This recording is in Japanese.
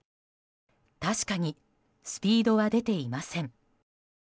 確かにスピードは出ていません。